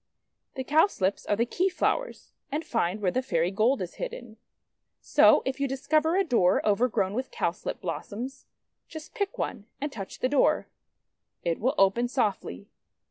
The Cowslips are the Key Flovv^ers, and find where the Fairy Gold is hidden. So if you dis cover a door overgrown with Cowslip blossoms, just pick one and touch the door. It will open softly.